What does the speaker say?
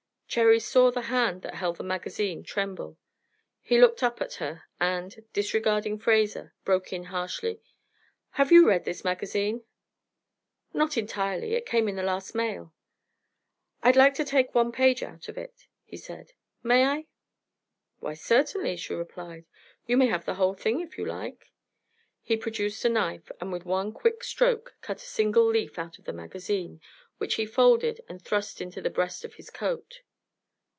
Cherry saw the hand that held the magazine tremble. He looked up at her, and, disregarding Fraser, broke in, harshly: "Have you read this magazine?" "Not entirely. It came in the last mail." "I'd like to take one page out of it," he said. "May I?" "Why, certainly," she replied. "You may have the whole thing if you like." He produced a knife, and with one quick stroke cut a single leaf out of the magazine, which he folded and thrust into the breast of his coat.